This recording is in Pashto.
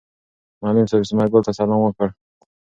معلم صاحب ثمر ګل ته سلام وکړ.